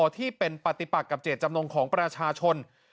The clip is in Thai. ที่เป็นปฏิปักกับเจตจำนงของประชาชน